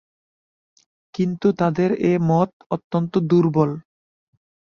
কিন্তু তাদের এ মত অত্যন্ত দুর্বল।